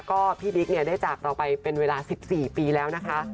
ก็พี่บิ๊กเนี่ยได้จากเราไปเป็นเวลา๑๔ปีแล้วนะคะ